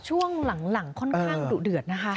ช่วงหลังค่อนข้างดุเดือดนะคะ